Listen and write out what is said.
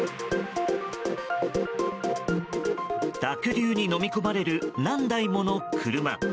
濁流にのみ込まれる何台もの車。